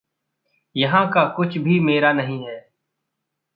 यहाँ का कुछ भी मेरा नहीं है।